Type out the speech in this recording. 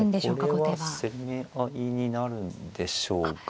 これは攻め合いになるんでしょうか。